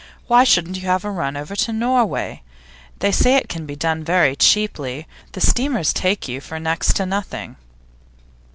Why shouldn't you have a run over to Norway? They say it can be done very cheaply; the steamers take you for next to nothing.